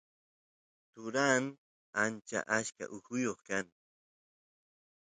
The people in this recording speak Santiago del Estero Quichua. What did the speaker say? turat achka ujuy kan